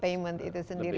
payment itu sendiri